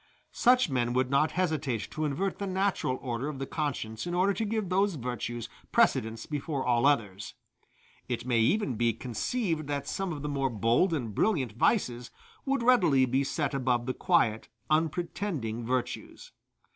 Such men would not hesitate to invert the natural order of the conscience in order to give those virtues precedence before all others. It may even be conceived that some of the more bold and brilliant vices would readily be set above the quiet, unpretending virtues.